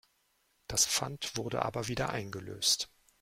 Das Pfand wurde aber wieder eingelöst.